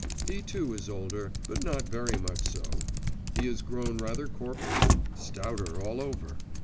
He too is older, but not very much so, he is grown rather corpulent, stouter all over.